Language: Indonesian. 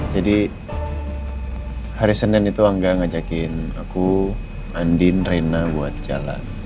jadi hari senin itu angga ngajakin aku andin rena buat jalan